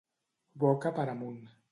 Boca per amunt.